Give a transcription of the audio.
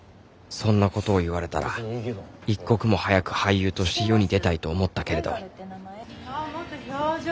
そんなことを言われたら一刻も早く俳優として世に出たいと思ったけれどもっと表情つけて！